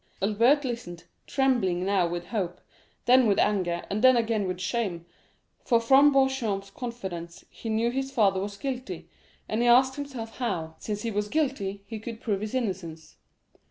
Albert listened, trembling now with hope, then with anger, and then again with shame, for from Beauchamp's confidence he knew his father was guilty, and he asked himself how, since he was guilty, he could prove his innocence.